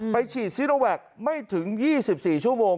ไปฉีดซีโนแวคไม่ถึงยี่สิบสี่ชั่วโมง